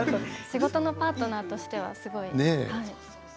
仕事のパートナーとしてはすごい。